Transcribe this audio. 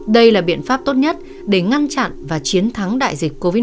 đây là biện pháp tốt nhất để ngăn chặn và chiến thắng đại dịch covid một mươi chín